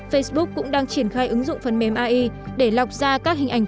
facebook cũng đang triển khai ứng dụng phần mềm ai để lọc ra các hình ảnh